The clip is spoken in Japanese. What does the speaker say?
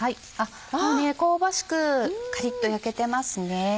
香ばしくカリっと焼けてますね。